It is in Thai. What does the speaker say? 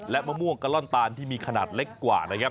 และมะม่วงกัลล่อนตาลที่มีขนาดเล็กกว่า